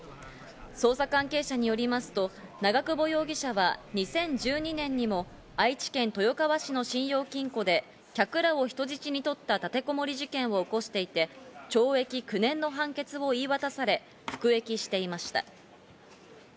捜査関係者によりますと、長久保容疑者は２０１２年にも愛知県豊川市の信用金庫で客らを人質に取った立てこもり事件を起こしていて、懲役９年の判決を言い渡され服役していました。